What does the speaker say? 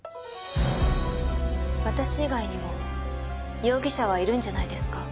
私以外にも容疑者はいるんじゃないですか？